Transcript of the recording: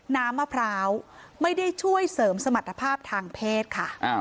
น้ำมะพร้าวไม่ได้ช่วยเสริมสมรรถภาพทางเพศค่ะ